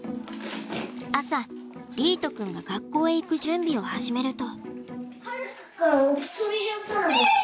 朝莉絃くんが学校へ行く準備を始めると。